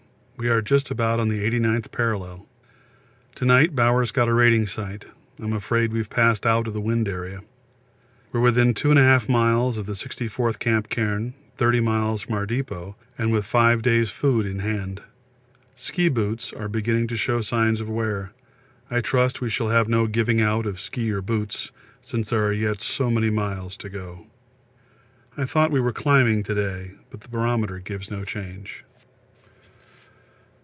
We are just about on the 89th parallel. To night Bowers got a rating sight. I'm afraid we have passed out of the wind area. We are within 2 1/2 miles of the 64th camp cairn, 30 miles from our depot, and with 5 days' food in hand. Ski boots are beginning to show signs of wear; I trust we shall have no giving out of ski or boots, since there are yet so many miles to go. I thought we were climbing to day, but the barometer gives no change.